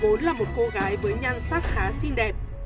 vốn là một cô gái với nhan sắc khá xinh đẹp